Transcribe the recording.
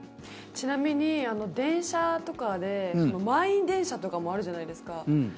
ちなみに電車とかで満員電車とかもあるじゃないですか。